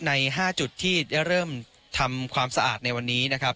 ใน๕จุดที่ได้เริ่มทำความสะอาดในวันนี้นะครับ